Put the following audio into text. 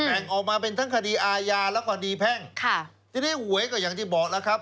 แบ่งออกมาเป็นทั้งคดีอาญาและคดีแพ่งที่ได้หวยก็อย่างที่บอกแล้วครับ